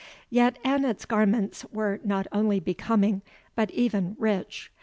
Yet Annot's garments were not only becoming, but even rich.